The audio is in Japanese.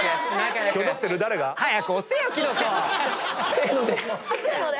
せーので。